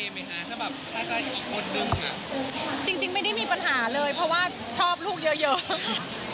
จริงไม่ได้มีปัญหาเลยเพราะว่าชอบลูกเยอะ